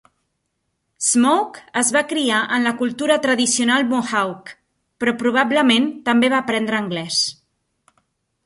Smoke es va criar en la cultura tradicional Mohawk, però probablement també va aprendre anglès.